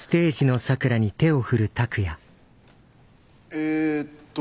えっと。